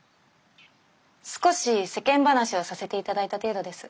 少し世間話をさせて頂いた程度です。